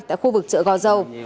tại khu vực chợ gò dầu